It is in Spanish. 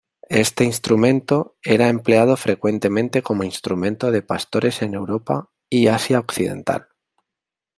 Este instrumento era empleado frecuentemente como instrumento de pastores en Europa y Asia occidental.